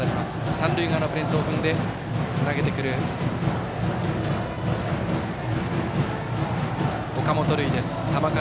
三塁側のプレートを踏んで投げてくる岡本琉奨です。